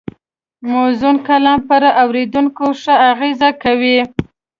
موزون کلام پر اورېدونکي ښه اغېز کوي